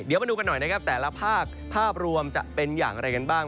เดี๋ยวมาดูกันหน่อยนะครับแต่ละภาคภาพรวมจะเป็นอย่างไรกันบ้าง